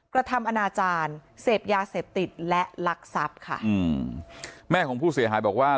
กระทำอนาจารย์เสพยาเสพติดและลักทรัพย์ค่ะอืมแม่ของผู้เสียหายบอกว่า